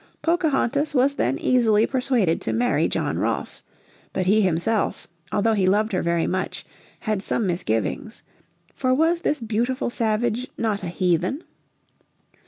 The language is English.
Pocahontas was then easily persuaded to marry John Rolfe. But he himself, although he loved her very much, had some misgivings. For was this beautiful savage not a heathen?